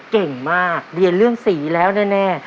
เก่งมากเรียนเรื่องสีแล้วแน่